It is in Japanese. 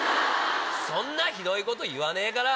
そんなひどいこと言わねえから。